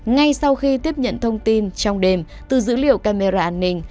ngay sau khi tiếp nhận thông tin trong đêm từ dữ liệu camera an ninh